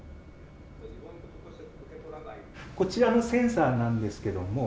こちらのセンサーなんですけども。